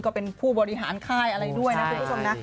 ก็เป็นผู้บริหารค่ายอะไรด้วยนะคุณผู้ชมนะ